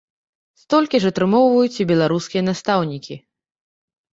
Столькі ж атрымоўваюць і беларускія настаўнікі.